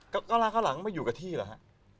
ก้าวหน้าก้าวหลังไม่อยู่กับที่หรอฮะ